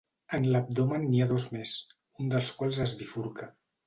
En l'abdomen n'hi ha dos més, un dels quals es bifurca.